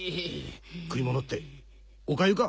食い物っておかゆか？